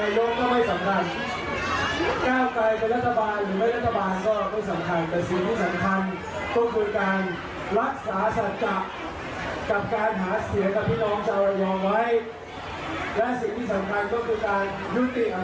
อย่าให้ต้องให้คุณธิบตั้งหลักก่อน